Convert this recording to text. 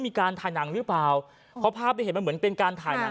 มีการถ่ายหนังหรือเปล่าเพราะภาพที่เห็นมันเหมือนเป็นการถ่ายหนัง